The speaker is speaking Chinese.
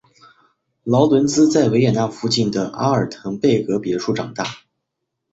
劳伦兹在维也纳附近的阿尔滕贝格别墅长大。